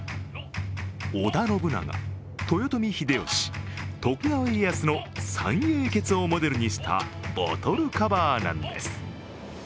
織田信長、豊臣秀吉、徳川家康の三英傑をモデルにしたボトルカバーなんです。